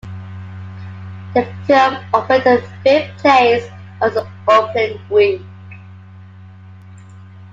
The film opened in fifth place on its opening week.